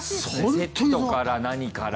セットから何から。